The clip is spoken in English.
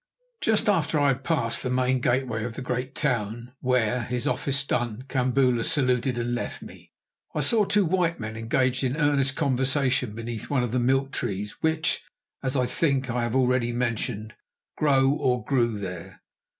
Just after I had passed the main gateway of the great town, where, his office done, Kambula saluted and left me, I saw two white men engaged in earnest conversation beneath one of the milk trees which, as I think I have already mentioned, grow, or grew, there.